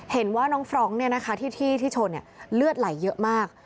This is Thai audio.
เห็นว่าน้องฟรองก์ที่ชนเลือดไหลเยอะมาก